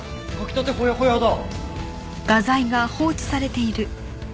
たてほやほやだ。